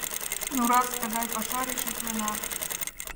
— Ну, раз тыгай паша — решитлена.